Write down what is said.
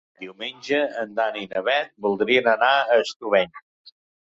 Diumenge en Dan i na Bet voldrien anar a Estubeny.